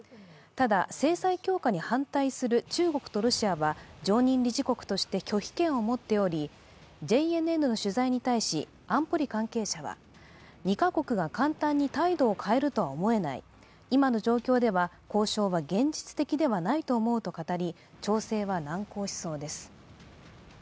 ただ、制裁強化に反対する中国とロシアは常任理事国として拒否権を持っており、ＪＮＮの取材に対し、安保理関係者は、２カ国が簡単に態度を変えるとは思えない、今の状況では交渉は現実的ではないと思うと語り調整は難航しそうです。